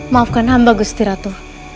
maafkan hamba gustiratu